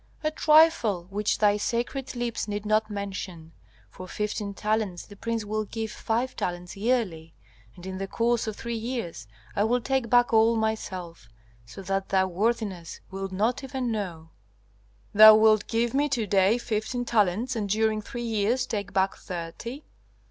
"A trifle, which thy sacred lips need not mention. For fifteen talents the prince will give five talents yearly, and in the course of three years I will take back all myself, so that thou, worthiness, wilt not even know " "Thou wilt give me to day fifteen talents, and during three years take back thirty?"